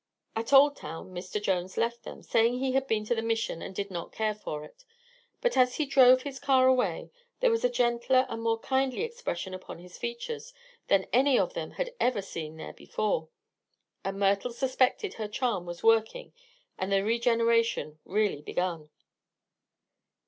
At Old Town Mr. Jones left them, saying he had been to the Mission and did not care for it. But as he drove his car away there was a gentler and more kindly expression upon his features than any of them had ever seen there before, and Myrtle suspected her charm was working and the regeneration really begun.